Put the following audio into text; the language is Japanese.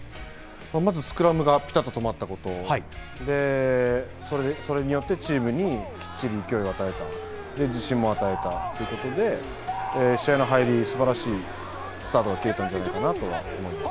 まずスクラムがぴたっと止まったこと、それによって、チームにきっちり勢いを与えた、自信も与えたということで、試合の入り、すばらしいスタートが切れたんじゃないかなとは思います。